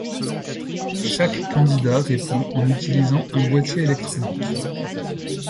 Chaque candidat répond en utilisant un boitier électronique.